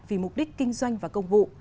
vì mục đích kinh doanh và công vụ